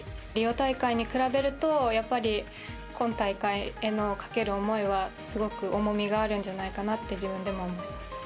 大会に比べると今大会へのかける思いはすごく重みがあるんじゃないかなって自分でも思っています。